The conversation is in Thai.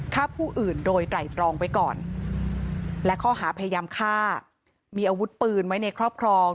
ฆ่าผู้อื่นโดยไตรตรองไว้ก่อนและข้อหาพยายามฆ่ามีอาวุธปืนไว้ในครอบครอง